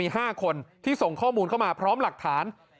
๕คนที่ส่งข้อมูลเข้ามาพร้อมหลักฐาน